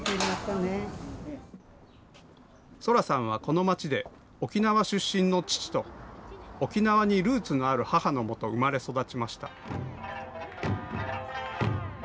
青空さんはこの街で、沖縄出身の父と、沖縄にルーツのある母のもと、生まれ育ちました。